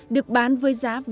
được bán với giá trị tích cực